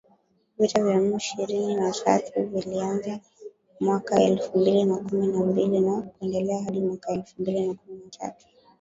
Vita vya M ishirini na tatu vilianza mwaka elfu mbili na kumi na mbili na kuendelea hadi mwaka elfu mbili na kumi na tatu